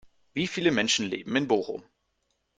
Wie viele Menschen leben in Bochum?